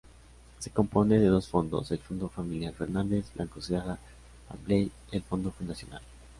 Se compone de dos fondos, el Fondo familiar Fernández-Blanco Sierra-Pambley y el Fondo fundacional.